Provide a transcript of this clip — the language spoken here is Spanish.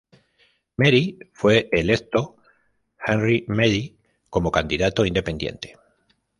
Mary fue electo Henry Madi, como candidato independiente.